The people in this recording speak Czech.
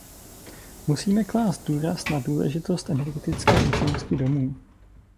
Musíme klást důraz na důležitost energetické účinností domů.